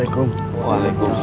kang kusoy itu seneng gak sih